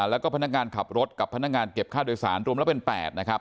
แล้วก็พนักงานขับรถกับพนักงานเก็บค่าโดยสารรวมแล้วเป็น๘นะครับ